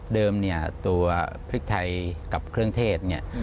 เดิมตัวพริกไทยกับเครื่องเทศ